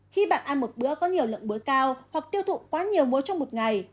khi bạn ăn một bữa có nhiều lượng muối cao hoặc tiêu thụ quá nhiều muối trong một ngày